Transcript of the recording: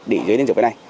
để gây lên dấu viên này